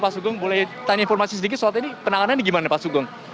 pak sugeng boleh tanya informasi sedikit soal ini penanganannya gimana pak sugeng